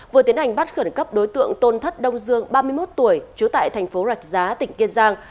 vừa tiến hành bắt khẩn cấp đối tượng tôn thất đông dương ba mươi một tuổi trú tại thành phố rạch giá tỉnh kiên giang